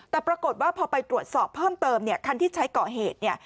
แต่ปรากฏว่าพอไปตรวจสอบเพิ่มเติมคันที่ใช้ก่อเหตุ